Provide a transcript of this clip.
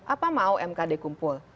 apa mau mkd kumpul